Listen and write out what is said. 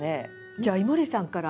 じゃあ井森さんから。